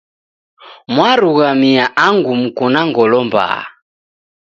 Mwarughamia angu muko na ngolo mbaha